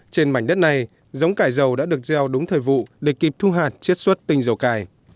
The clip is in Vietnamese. trên mảnh đất này giống cải dầu đã được gieo đúng thời vụ để kịp thu hạt chiết xuất tinh dầu cải